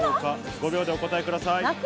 ５秒でお答えください。